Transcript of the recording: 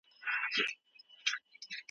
نړیوال سوداګریز تعامل اقتصاد ته نوی روح بښي.